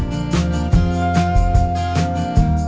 สั้นอยากไปเรียนกว่า